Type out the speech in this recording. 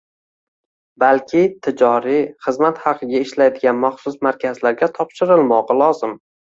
balki tijoriy, xizmat haqiga ishlaydigan maxsus markazlarga topshirilmog‘i lozim